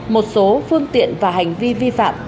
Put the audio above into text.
một số phương tiện và hành vi vi phạm